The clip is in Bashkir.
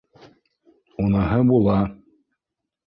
— Уныһы була.